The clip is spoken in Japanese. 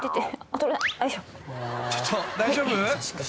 ［ちょっと大丈夫？］